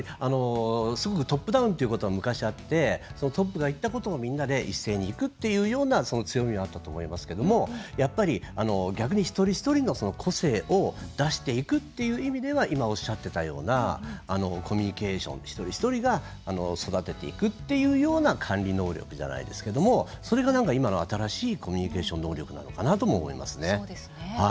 すごくトップダウンということは昔はあってトップが言ったことをみんなで一斉にいくっていう強みはあったと思いますけど逆に一人一人の個性を出していくという意味では今おっしゃっていたようなコミュニケーション、一人一人が育てていくっていうような管理能力じゃないですけどもそれが今の新しいコミュニケーション能力なのかなとも思いますね。